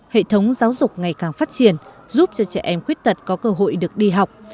hệ thống giáo dục ngày càng phát triển giúp cho trẻ em khuyết tật có cơ hội được đi học